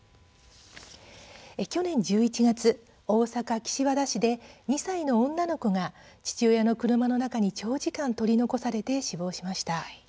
去年１１月、大阪岸和田市で２歳の女の子が父親の車の中に長時間取り残されて死亡しました。